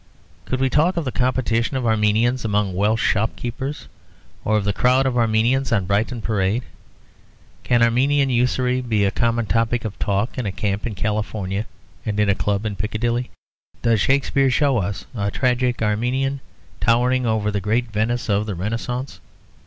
Could we talk of the competition of Armenians among Welsh shop keepers, or of the crowd of Armenians on Brighton Parade? Can Armenian usury be a common topic of talk in a camp in California and in a club in Piccadilly? Does Shakespeare show us a tragic Armenian towering over the great Venice of the Renascence?